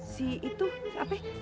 si itu apa ya